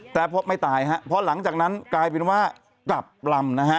แต่พบไม่ตายฮะเพราะหลังจากนั้นกลายเป็นว่ากลับลำนะฮะ